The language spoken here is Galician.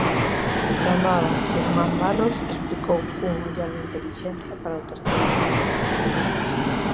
–Chamaba Xermán Barros –explicou cun ollar de intelixencia para o terceiro convidado––.